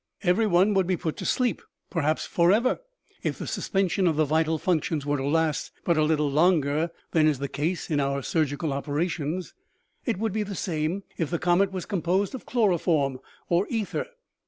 Kvery one would be put to sleep perhaps forever, if the suspen sion of the vital functions were to last but a little longer than is the case in our surgical operations. It would be the same if the comet was composed of chloroform or ether.